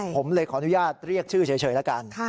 ผมเลยขออนุญาตเรียกชื่อเฉยแล้วกัน